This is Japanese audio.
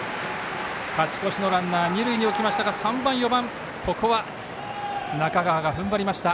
勝ち越しのランナー二塁に置きましたが３番、４番ここは中川がふんばりました。